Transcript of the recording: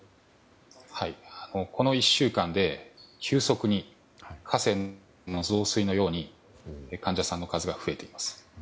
この１週間で急速に河川の増水のように患者さんの数が増えています。